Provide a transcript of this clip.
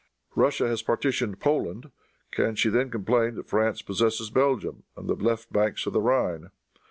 Russia has partitioned Poland. Can she then complain that France possesses Belgium and the left banks of the Rhine?